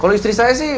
kalau istri saya sih